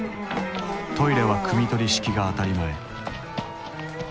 トイレはくみ取り式が当たり前。